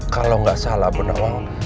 kalau nggak salah bu nawang